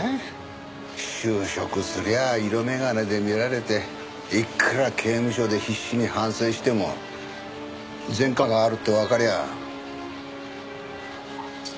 就職すりゃ色眼鏡で見られていくら刑務所で必死に反省しても前科があるってわかりゃまともに息も吸わせてもらえねえ。